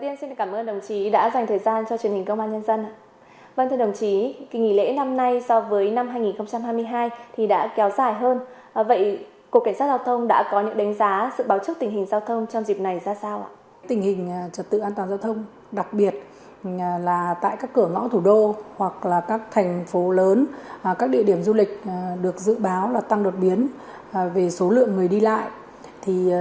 tình hình trật tự an toàn giao thông đặc biệt là tại các cửa ngõ thủ đô hoặc là các thành phố lớn các địa điểm du lịch được dự báo là tăng đột biến về số lượng người đi lại